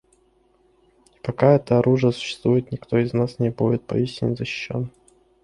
И пока это оружие существует, никто из нас не будет поистине защищен.